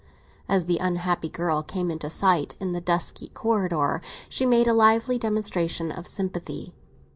As the unhappy girl came into sight, in the dusky corridor, she made a lively demonstration of sympathy.